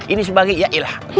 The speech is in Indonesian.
ini sebagai ya iya lah